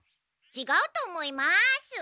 ちがうと思います。